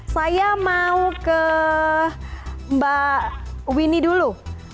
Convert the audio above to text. saya mau ke mbak winnie dulu